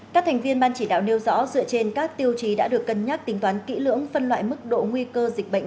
các thành viên ban chỉ đạo nêu rõ dựa trên các tiêu chí đã được cân nhắc tính toán kỹ lưỡng phân loại mức độ nguy cơ dịch bệnh